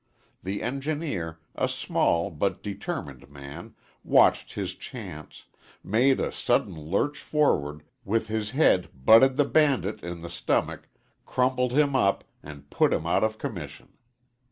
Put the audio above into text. The engineer, a small but determined man, watched his chance, made a sudden lurch forward, with his head butted the bandit in the stomach, crumpled him up and put him out of commission.